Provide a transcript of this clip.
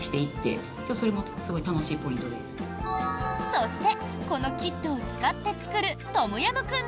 そしてこのキットを使って作るトムヤムクン